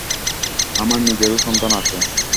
আমার নিজেরও সন্তান আছে।